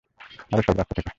আরে সর রাস্তা থেকে!